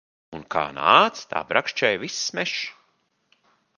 Un kā nāca, tā brakšķēja viss mežs.